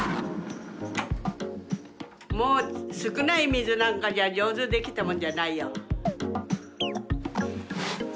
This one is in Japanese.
もう少ない水なんかじゃ上手にできたもんじゃないよ。